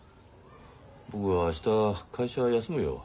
僕明日会社休むよ。